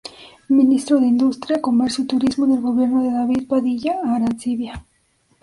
Ministro de Industria, Comercio y Turismo en el Gobierno de David Padilla Arancibia.